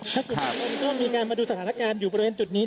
ถ้าคุณภาคภูมิก็มีการมาดูสถานการณ์อยู่บริเวณจุดนี้